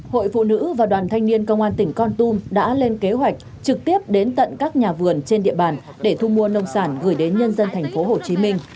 hội phụ nữ và đoàn thanh niên công an tỉnh con tum đã lên kế hoạch trực tiếp đến tận các nhà vườn trên địa bàn để thu mua nông sản gửi đến nhân dân tp hcm